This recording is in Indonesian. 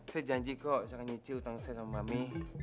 saya janji kok saya nyicil utang saya sama mami